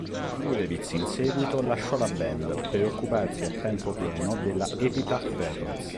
Gurewitz in seguito lasciò la band per occuparsi a tempo pieno della Epitaph Records.